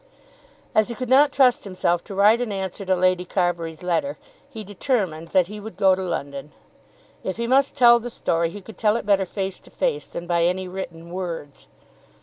As he could not trust himself to write an answer to Lady Carbury's letter he determined that he would go to London. If he must tell the story he could tell it better face to face than by any written words.